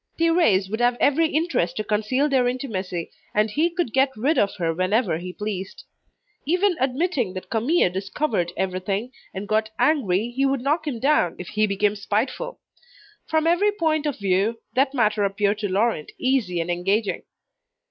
Thérèse would have every interest to conceal their intimacy, and he could get rid of her whenever he pleased. Even admitting that Camille discovered everything, and got angry, he would knock him down, if he became spiteful. From every point of view that matter appeared to Laurent easy and engaging.